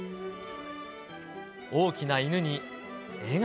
大きな犬に笑顔。